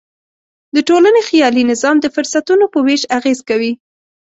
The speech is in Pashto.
د ټولنې خیالي نظام د فرصتونو په وېش اغېز کوي.